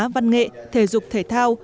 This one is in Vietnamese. văn nghệ thể dục thể thao